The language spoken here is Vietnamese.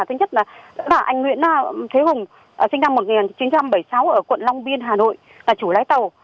thứ nhất là anh nguyễn thế hùng sinh năm một nghìn chín trăm bảy mươi sáu ở quận long biên hà nội là chủ lái tàu